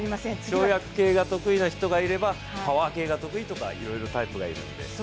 跳躍系が得意な人もいればパワー系が得意な人とかいろいろタイプがいるんで。